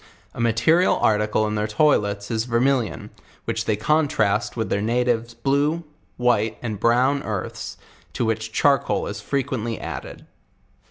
A material article in their toilets is vermilliou. which they contrast with their native 108 JOURNAL OF t;lue, white, and brown earths, to which charcoal is frequent ly added.